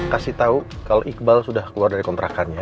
kasih tahu kalau iqbal sudah keluar dari kontrakannya